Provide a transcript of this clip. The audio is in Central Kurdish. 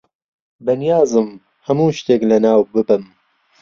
بەنیازم هەموو شتێک لەناو ببەم.